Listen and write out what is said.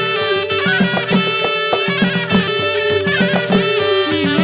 โปรดติดตามต่อไป